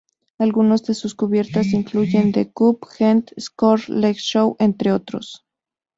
Algunos de sus cubiertas incluyen D Cup, Gent, Score, Leg Show entre otros.